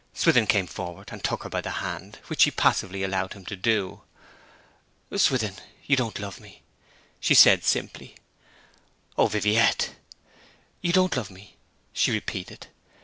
Swithin came forward, and took her by the hand, which she passively allowed him to do. 'Swithin, you don't love me,' she said simply. 'O Viviette!' 'You don't love me,' she repeated.